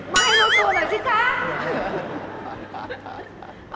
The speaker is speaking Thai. ให้เจลสีส่วนหรอสิคะ